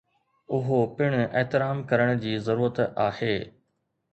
اهو پڻ احترام ڪرڻ جي ضرورت آهي.